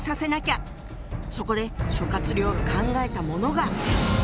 そこで諸亮が考えたものが。